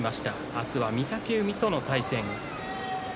明日は御嶽海との対戦。